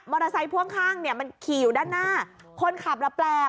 ไซค์พ่วงข้างเนี่ยมันขี่อยู่ด้านหน้าคนขับละแปลก